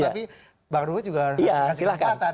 tapi bang ruhut juga kasih kesempatan